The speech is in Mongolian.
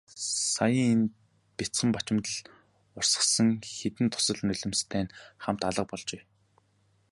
Саяын нь бяцхан бачимдал урсгасан хэдэн дусал нулимстай нь хамт алга болжээ.